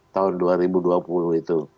tahun dua ribu dua puluh itu